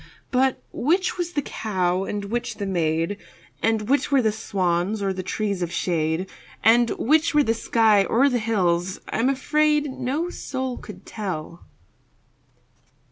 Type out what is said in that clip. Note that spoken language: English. But which was the cow and which the maid, And which were the swans or the trees of shade, And which were the sky or the hills, I'm afraid, No soul could tell.